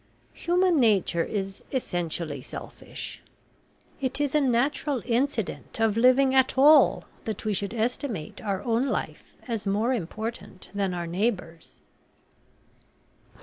Human nature is essentially selfish. It is a natural incident of living at all that we should estimate our own life as more important than our neighbours."